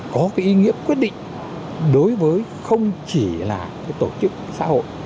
có ý nghĩa quyết định đối với không chỉ tổ chức xã hội